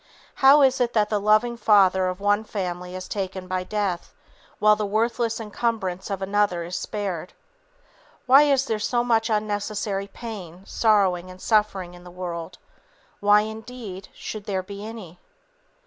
How is it that the loving father of one family is taken by death, while the worthless incumbrance of another is spared? Why is there so much unnecessary pain, sorrowing and suffering in the world why, indeed, should there be any?"